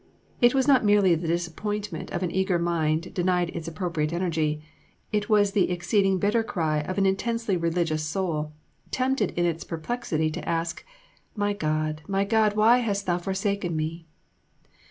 It was not merely the disappointment of an eager mind denied its appropriate energy; it was the exceeding bitter cry of an intensely religious soul, tempted in its perplexity to ask, "My God, my God, why hast Thou forsaken me?"